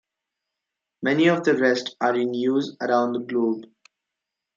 Many of the rest are in use around the globe.